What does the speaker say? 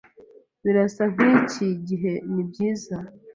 Birasa nkiki gihe nibyiza.